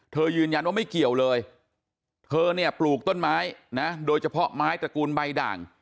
ยืนยันว่าไม่เกี่ยวเลยเธอเนี่ยปลูกต้นไม้นะโดยเฉพาะไม้ตระกูลใบด่าง